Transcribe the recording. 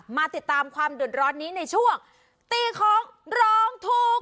มาติดตามความเดือดร้อนนี้ในช่วงตีของร้องถูก